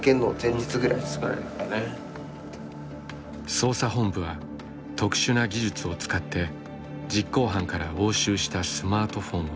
捜査本部は特殊な技術を使って実行犯から押収したスマートフォンを解析。